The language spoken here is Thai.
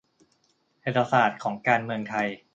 - เศรษฐศาสตร์ของการเมืองไทย